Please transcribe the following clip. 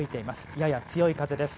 やや強い風です。